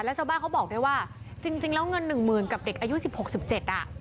แล้วชาวบ้านเขาบอกด้วยว่าจริงแล้วเงินหนึ่งหมื่นกับเด็กอายุสิบหกสิบเจ็ดอ่ะ